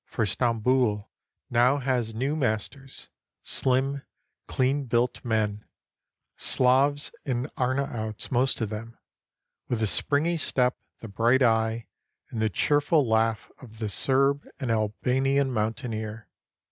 For Stamboul now has new masters, slim, clean built men, — Slavs and Arnaouts, most of them, — with the springy step, the bright eye, and the cheerful laugh of the Serb and Albanian mountaineer.